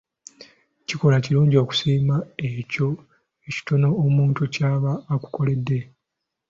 Kikolwa kirungi okusiima ekyo ekitono omuntu ky'aba akukoledde.